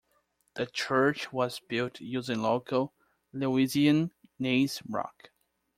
The church was built using local Lewisian gneiss rock.